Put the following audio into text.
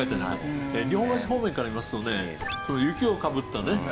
日本橋方面から見ますとね雪をかぶったね